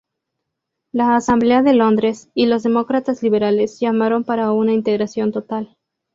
La Asamblea de Londres y los Demócratas liberales llamaron para una integración total.